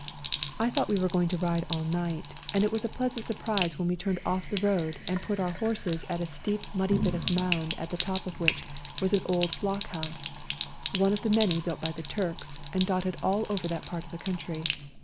I thought we were going to ride all night, and it was a pleasant surprise when we turned off the road, and put our horses at a steep muddy bit of moimd at the top of which was an old block house, one of the many built by the Tiu ks and dotted all over that part of the country.